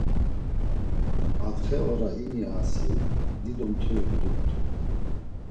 Atxe ora ini asi dido mturi mtumt̆u.